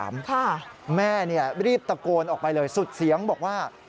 ค่ะแม่เนี่ยรีบตะโกนออกไปเลยสุดเสียงบอกว่า